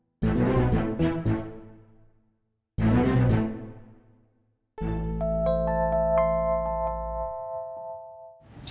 kami sudah sampai